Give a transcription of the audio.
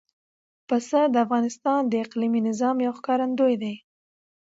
پسه د افغانستان د اقلیمي نظام یو ښکارندوی ده.